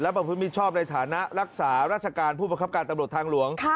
ประพฤติมิชชอบในฐานะรักษาราชการผู้ประคับการตำรวจทางหลวง